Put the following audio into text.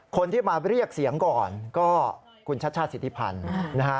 คนที่มาเรียกเสียงก่อนก็คุณชัชชาติสิทธิพันธ์นะฮะ